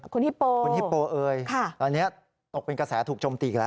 คุณฮิปโปคุณฮิปโปเอ๋ยตอนนี้ตกเป็นกระแสถูกจมตีอีกแล้ว